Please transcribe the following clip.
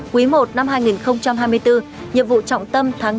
quý i năm hai nghìn hai mươi bốn nhiệm vụ trọng tâm tháng bốn